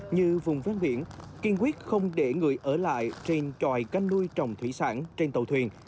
như vùng ven biển kiên quyết không để người ở lại trên tròi canh nuôi trồng thủy sản trên tàu thuyền